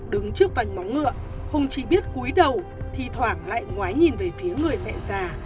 đứng trước vành móng ngựa hùng chỉ biết cuối đầu thì thoảng lại ngói nhìn về phía người mẹ già